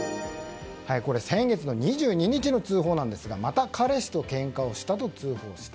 先月の２２日の通報なんですがまた彼氏とけんかをしたと通報した。